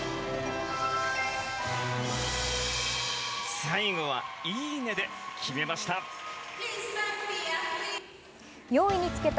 最後はいいねで決めました。